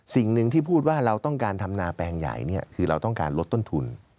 สิ่งหนึ่งที่พูดว่าเราต้องการทำนาแปลงใหญ่คือเราต้องการลดต้นทุน